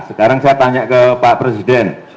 sekarang saya tanya ke pak presiden